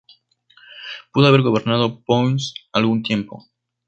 Pudo haber gobernado Powys algún tiempo.